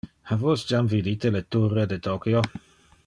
Ha vos jam vidite le Turre de Tokio?